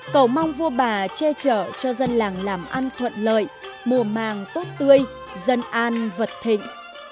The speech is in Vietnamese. cầu mong vua bà che trở cho dân làng làm ăn thuận lợi mùa màng tốt tươi dân an vật thịnh